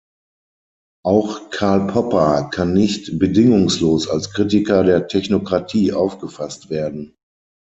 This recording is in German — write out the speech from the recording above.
Auch Karl Popper kann nicht bedingungslos als Kritiker der Technokratie aufgefasst werden.